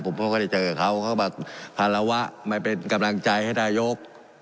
ผมเขาก็ได้เจอเขาเขาก็มาภาระวะไม่เป็นกำลังใจให้นายก